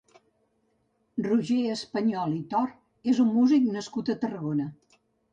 Roger Español i Tor és un músic nascut a Tarragona.